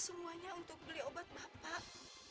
semuanya untuk beli obat bapak